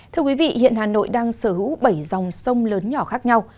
thưa quý vị hiện hà nội đang sở hữu bảy dòng sông lớn nhỏ khác nhau